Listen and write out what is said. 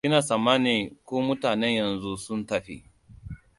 Ina tsammani ku mutanen yanzu sun tafi.